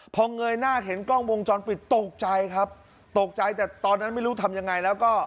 พอเงยหน้าเห็นกล้องวงจรปิดตกใจครับตกใจแต่ตอนนั้นไม่รู้ทำยังไงแล้วก็